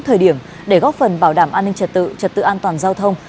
thời điểm để góp phần bảo đảm an ninh trật tự trật tự an toàn giao thông